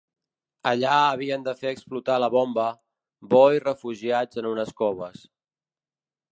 Allà havien de fer explotar la bomba, bo i refugiats en unes coves.